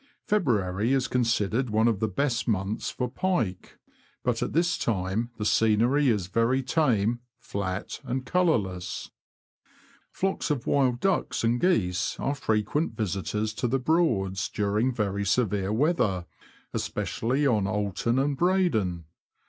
Feb ruary is considered one of the best months for pike ; but at this time the scenery is very tame, flat, and colourless. THE BROAD DISTRICT IN WINTER. 239 Flocks of wild ducks and geese are frequent visitors to the Broads during very severe weather, especially on Oulton and Breydon.